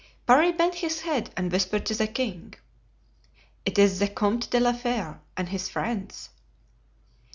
Parry bent his head and whispered to the king: "It is the Comte de la Fere and his friends."